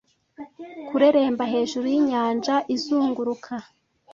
Kureremba hejuru y'inyanja izunguruka!